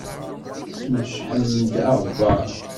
Tmecḥem-d aɣebbar.